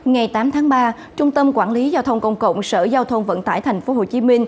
ngày tám tháng ba trung tâm quản lý giao thông công cộng sở giao thông vận tải tp hcm